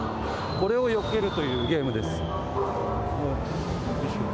これをよけるというゲームです。